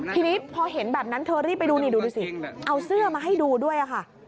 ทีนี้พอเห็นแบบนั้นเธอรีบไปดูนี่ดูสิเอาเสื้อมาให้ดูด้วยค่ะ